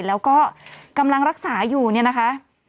แล้วก็กำลังรักษาอยู่เนี่ยนะคะ